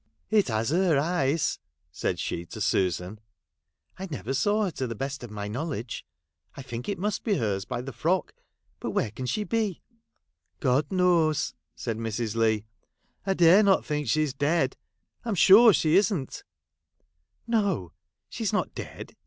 ' It has her eyes,' said she to Susan. ' I never saw her to the best of my know ledge. I think it must be her's by the frock. But where can she 1 ' God knows,' said Mrs. Leigh ;' I dare not think she 's dead. I 'in sure she isn't.' ' No ! she 's not dead.